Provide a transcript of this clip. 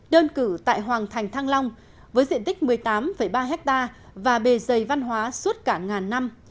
đơn cử tại hoàng thành thăng long với diện tích một mươi tám ba hectare và bề dày văn hóa suốt cả ngàn năm